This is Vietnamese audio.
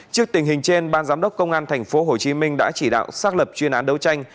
trước tình hình trên ban giám đốc công an thành phố hồ chí minh đã chỉ đạo xác lập chuyên án đấu tranh